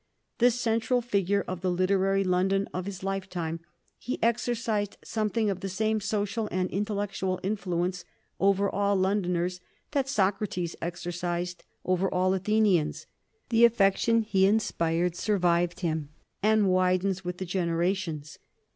The central figure of the literary London of his lifetime, he exercised something of the same social and intellectual influence over all Londoners that Socrates exercised over all Athenians. The affection he inspired survived him, and widens with the generations.